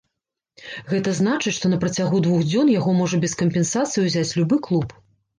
Гэта значыць, што на працягу двух дзён яго можа без кампенсацыі ўзяць любы клуб.